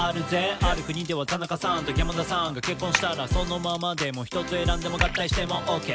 「ある国では田中さんと山田さんが結婚したら」「そのままでも１つ選んでも合体してもオッケー」